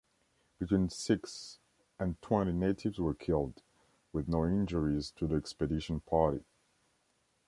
Between six and twenty natives were killed, with no injuries to the expedition party.